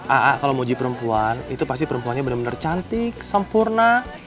a'a kalo mau uji perempuan itu pasti perempuannya bener bener cantik sempurna